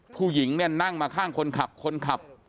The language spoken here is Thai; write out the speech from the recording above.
ผู้หญิงเนี่ยนั่งมาข้างคนขับคนขับ